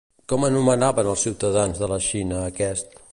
Com anomenaven els ciutadans de la Xina a aquest?